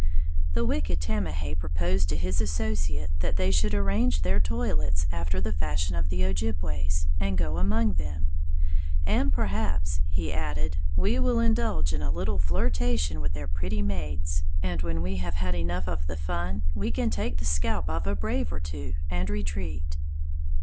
The wicked Tamahay proposed to his associate that they should arrange their toilets after the fashion of the Ojibways, and go among them; "and perhaps," he added, "we will indulge in a little flirtation with their pretty maids, and when we have had enough of the fun we can take the scalp of a brave or two and retreat!"